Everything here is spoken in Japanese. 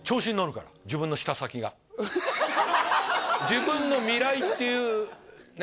自分の味蕾っていうね